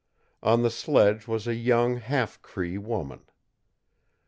On the sledge was a young half Cree woman.